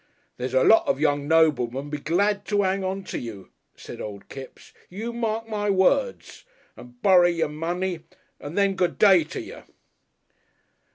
"There's lots of young noblemen'll be glad to 'ang on to you," said Old Kipps. "You mark my words. And borry your money. And then, good day to ye."